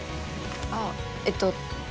あえっと